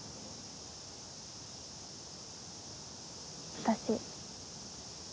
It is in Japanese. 私。